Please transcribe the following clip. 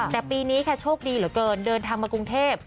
แต่ปีนี้ค่ะโชคดีเหลือเกินเดินทางมากรุงเทพ